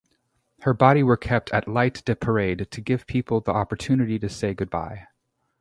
Her body were kept at lite-de-parade to give people the opportunity to say goodbye.